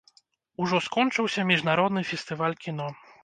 Ужо скончыўся міжнародны фестываль кіно.